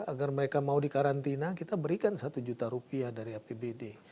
agar mereka mau dikarantina kita berikan satu juta rupiah dari apbd